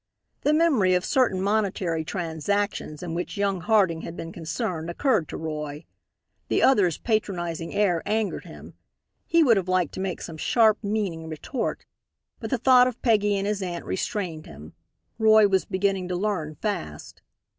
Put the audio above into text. The memory of certain monetary transactions in which young Harding had been concerned occurred to Roy. The other's patronizing air angered him. He would have liked to make some sharp, meaning retort. But the thought of Peggy and his aunt restrained him. Roy was beginning to learn fast.